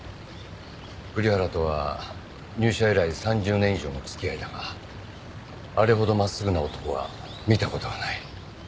栗原とは入社以来３０年以上の付き合いだがあれほど真っすぐな男は見た事がない。